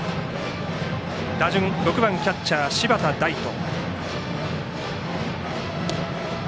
打順６番キャッチャー柴田大翔。